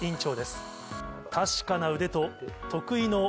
確かな腕と。